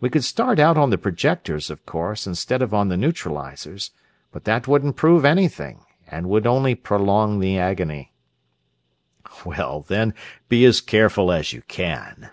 We could start out on the projectors, of course, instead of on the neutralizers, but that wouldn't prove anything and would only prolong the agony." "Well, then, be as careful as you can."